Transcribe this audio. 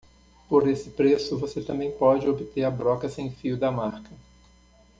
Por esse preço, você também pode obter a broca sem fio da marca.